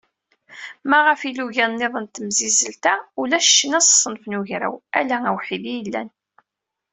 Ma ɣef yilugan-nniḍen n temsizzelt-agi, ulac ccna s ṣṣenf n ugraw, ala awḥid i yellan.